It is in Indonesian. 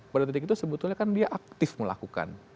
pada titik itu sebetulnya kan dia aktif melakukan